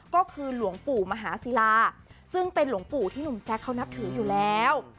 ก็คือหลวงปู่มหาศิลาซึ่งเป็นหลวงปู่ที่หนุ่มแซคเขานับถืออยู่แล้ว